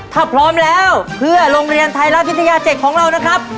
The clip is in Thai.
ถ้าพร้อมแล้วเพื่อโรงเรียนไทยรัฐวิทยา๗ของเรานะครับ